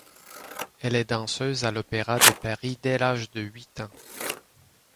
Elle est danseuse à l'Opéra de Paris dès l'âge de huit ans.